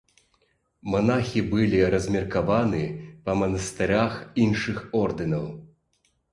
Манахі былі размеркаваны па манастырах іншых ордэнаў.